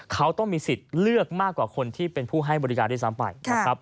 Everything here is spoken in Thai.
เขาต้องมีสิทธิ์เลือกมากกว่าคนที่เป็นผู้ให้บริการด้วยซ้ำไปนะครับ